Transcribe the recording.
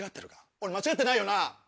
俺間違ってないよな？